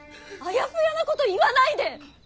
あやふやなこと言わないで！